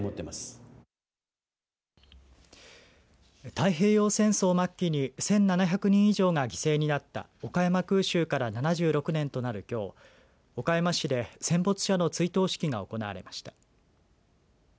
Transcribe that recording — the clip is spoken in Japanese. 太平洋戦争末期に１７００人以上が犠牲になった岡山空襲から７６年となるきょう岡山市で戦没者の追悼式が行われました。